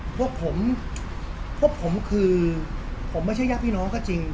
พวกผมพวกผมคือผมไม่ใช่ญาติพี่น้องก็จริง